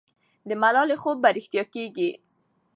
د ملالۍ خوب به رښتیا کېږي.